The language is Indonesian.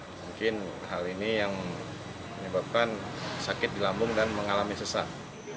mungkin hal ini yang menyebabkan sakit di lambung dan mengalami sesak